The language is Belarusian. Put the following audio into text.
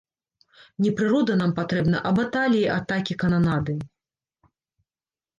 Не прырода нам патрэбна, а баталіі, атакі, кананады.